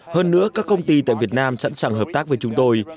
hơn nữa các công ty tại việt nam sẵn sàng hợp tác với chúng tôi